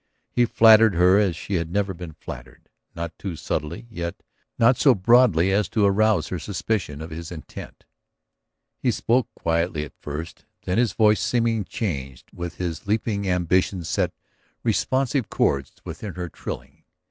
He flattered her as she had never been flattered, not too subtly, yet not so broadly as to arouse her suspicion of his intent. He spoke quietly at first, then his voice seeming charged with his leaping ambition set responsive chords within her thrilling.